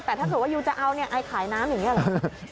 แต่ถ้าเกิดว่ายูจะเอาเนี่ยไอขายน้ำอย่างนี้เหรอ